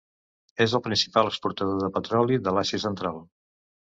És el principal exportador de petroli de l'Àsia Central.